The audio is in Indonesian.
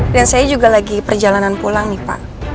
dan saya juga lagi perjalanan pulang nih pak